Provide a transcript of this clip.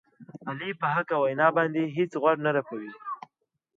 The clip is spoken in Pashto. علي په حقه وینا باندې هېڅ غوږ نه رپوي.